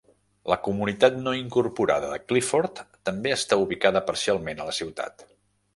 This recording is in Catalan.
La comunitat no incorporada de Clifford també està ubicada parcialment a la ciutat.